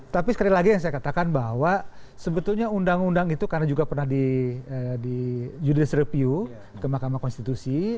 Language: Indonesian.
tapi sekali lagi yang saya katakan bahwa sebetulnya undang undang itu karena juga pernah di judis review ke mahkamah konstitusi